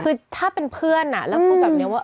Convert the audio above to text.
คือถ้าเป็นเพื่อนแล้วพูดแบบนี้ว่า